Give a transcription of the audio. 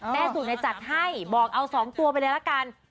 แม่สู่ในจักรไทยบอกเอา๒ตัวไปเลยละกัน